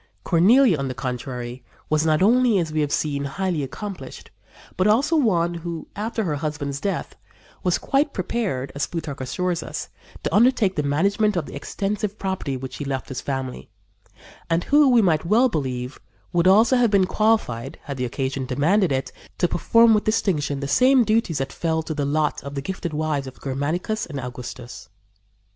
Cornelia, on the contrary, was not only, as we have seen, highly accomplished, but also one who, after her husband's death, was quite prepared, as Plutarch assures us, to undertake the management of the extensive property which he left his family, and who, we may well believe, would also have been qualified, had the occasion demanded it, to perform with distinction the same duties that fell to the lot of the gifted wives of Germanicus and Augustus.